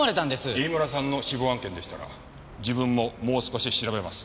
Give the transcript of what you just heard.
飯村さんの死亡案件でしたら自分ももう少し調べます。